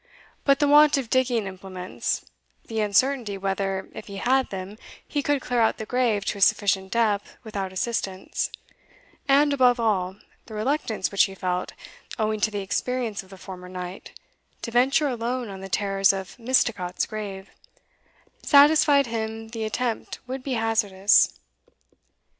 But the want of digging implements, the uncertainty whether, if he had them, he could clear out the grave to a sufficient depth without assistance, and, above all, the reluctance which he felt, owing to the experience of the former night, to venture alone on the terrors of Misticot's grave, satisfied him the attempt would be hazardous.